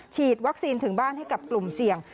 ฉีดวัคซีนถึงบ้านให้กับกลุ่มเสี่ยง